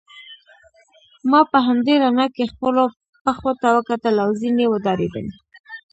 ما په همدې رڼا کې خپلو پښو ته وکتل او ځینې وډارېدم.